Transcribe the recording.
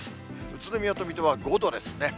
宇都宮と水戸は５度ですね。